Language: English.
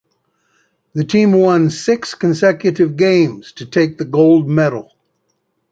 The team won six consecutive games to take the gold medal.